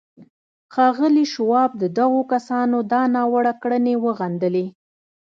ښاغلي شواب د دغو کسانو دا ناوړه کړنې وغندلې